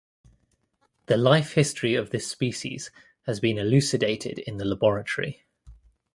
The life history of this species has been elucidated in the laboratory.